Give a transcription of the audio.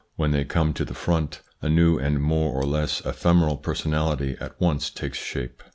When they come to the front, a new and more or less ephemeral personality at once takes shape.